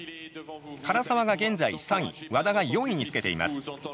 唐澤が現在３位和田が４位につけています。